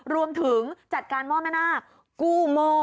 รวมถึงจัดการหม้อแม่นาคกู้หม้อ